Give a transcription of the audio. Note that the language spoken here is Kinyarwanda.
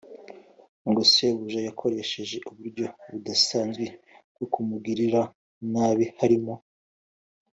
ngo shebuja yakoresheje uburyo budasanzwe bwo kumugirira nabi harimo